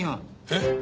えっ？